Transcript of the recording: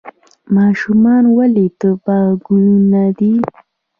ماشومان ولې د باغ ګلونه دي؟